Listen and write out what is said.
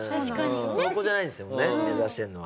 そこじゃないですもんね目指してるのは。